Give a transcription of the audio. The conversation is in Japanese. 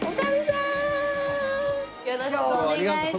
よろしくお願いします。